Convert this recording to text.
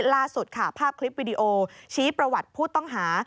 ล่าสุดค่ะภาพคลิปวิดีโอชี้ประวัติผู้ต้องหา